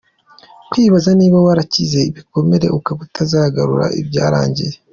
Kwibaza niba warakize ibikomere ukaba utazagarura ibyarangiye.